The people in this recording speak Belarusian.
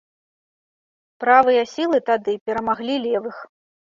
Правыя сілы тады перамаглі левых.